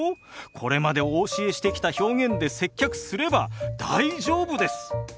これまでお教えしてきた表現で接客すれば大丈夫です。